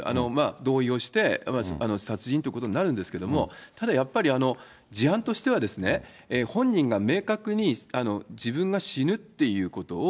同意をして、殺人ということになるんですけれども、ただやっぱり、事案としては本人が明確に自分が死ぬっていうことを、